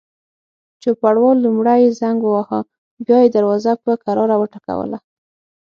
چوپړوال لومړی زنګ وواهه، بیا یې دروازه په کراره وټکوله.